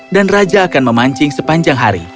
dan raja akan memancing sepanjang hari